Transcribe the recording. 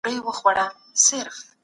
سفیران ولي په ګډه اقتصادي همکاري کوي؟